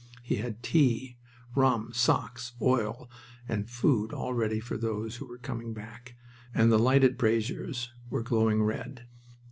He had tea, rum, socks, oil, and food all ready for those who were coming back, and the lighted braziers were glowing red.